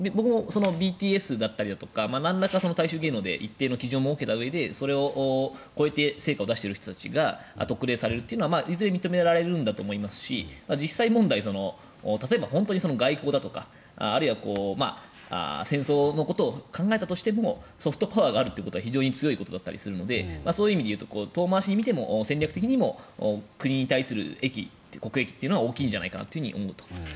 僕もＢＴＳだったりなんらか大衆芸能で一定の基準を設けたうえでそれを超えて成果を出している人たちが特例されるというのは、いずれ認められるんだと思いますし実際問題、例えば外交だとか、あるいは戦争のことを考えたとしてもソフトパワーがあるということは非常に強いことだったりするのでそういう意味でも遠回しに見ても戦略的にも国に対する国益というのは大きいんじゃないかなと思うと。